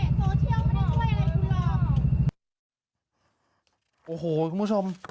โอ้โหคุณผู้ชม